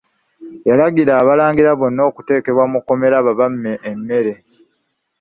Yalagira Abalangira bonna bateekebwe mu kkomera babamme emmere.